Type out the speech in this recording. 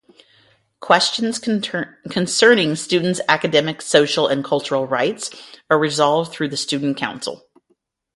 Questions concerning students' academic, social and cultural rights are resolved through the Student Council.